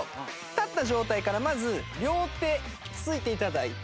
立った状態からまず両手ついて頂いて。